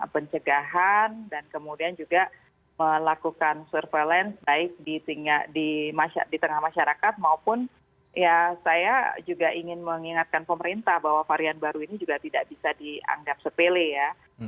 baik di tengah masyarakat maupun saya juga ingin mengingatkan pemerintah bahwa varian baru ini juga tidak bisa dianggap sepele ya